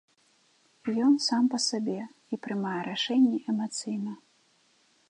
Ён сам па сабе і прымае рашэнні эмацыйна.